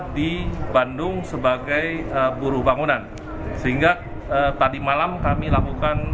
di bandung sebagai buruh bangunan sehingga tadi malam kami lakukan